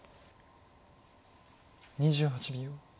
２８秒。